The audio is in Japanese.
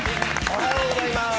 おはようございます。